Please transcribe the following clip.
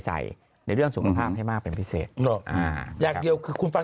แต่ว่าเรื่องนึงไม่ว่าจะวงการไหนยังไงก็ต้องระวังคือเรื่องสุขภาพ